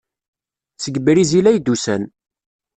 Seg Brizil ay d-usan.